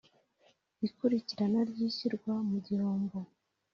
Ikurikirana ry ishyirwa mu gihombo